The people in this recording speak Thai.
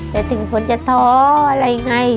แต่ถึงคนจะท้ออะไรไง